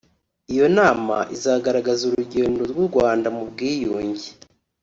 Iyo nama izagaragaza urugendo rw’u Rwanda mu bwiyunge